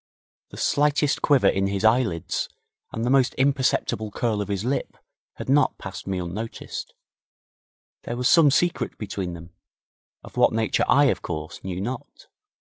The slightest quiver in his eyelids and the almost imperceptible curl of his lip had not passed me unnoticed. There was some secret between them, of what nature I, of course, knew not.